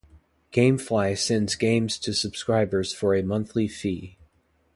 GameFly sends games to subscribers for a monthly fee.